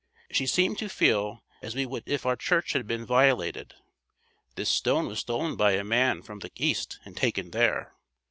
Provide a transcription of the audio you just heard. She seemed to feel as we would if our church had been violated. This stone was stolen by a man from the east and taken there.